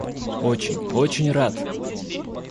Очень, очень рад!